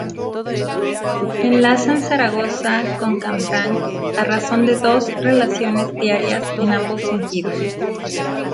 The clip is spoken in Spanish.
Enlazan Zaragoza con Canfranc a razón de dos relaciones diarias en ambos sentidos.